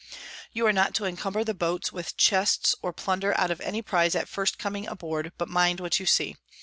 _ _You are not to incumber the Boats with Chests or Plunder out of any Prize at first coming aboard, but mind what you see.